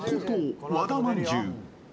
和田まんじゅう。